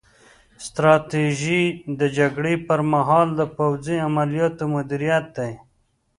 ستراتیژي د جګړې پر مهال د پوځي عملیاتو مدیریت دی